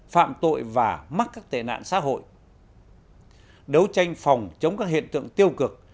phạm tội và mắc các tệ nạn xã hội đấu tranh phòng chống các hiện tượng tiêu cực